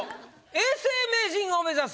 永世名人を目指す